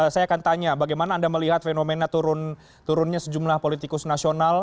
saya akan tanya bagaimana anda melihat fenomena turunnya sejumlah politikus nasional